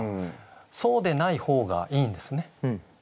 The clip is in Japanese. そうでない方がいいんですね。